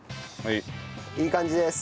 いい感じです。